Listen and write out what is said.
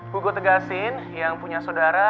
buku tegasin yang punya saudara